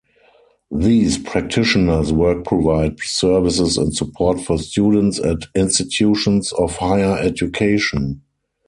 These practitioners work provide services and support for students at institutions of higher education.